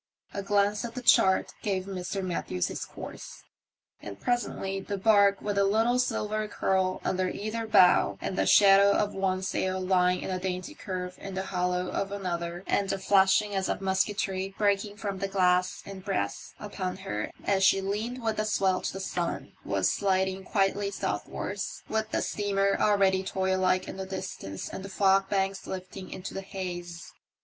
A glance at the chart gave Mr. Matthews his course, and presently the barque, with a little silver curl under either bow, and the shadow of one sail lying in a dainty curve in the hollow of another, and a flashing as of musketry breaking from the glass and brass upon her as she leaned with the swell to the sun, was sliding quietly southwards, with the steamer already toylike in the distance and the fogbanks lifting into the haze.